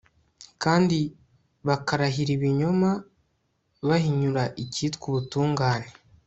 kandi bakarahira ibinyoma, bahinyura icyitwa ubutungane